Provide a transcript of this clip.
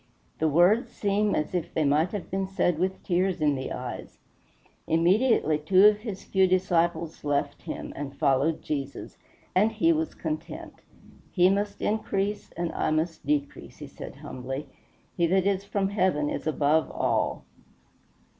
The words seem as if they might have been said with tears in the eyes. Immediately two of his few disciples left him and followed Jesus; and he was content. "He must increase and I must decrease," he said humbly. "He that is from Heaven is above all."